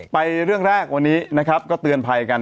เรื่องแรกวันนี้นะครับก็เตือนภัยกัน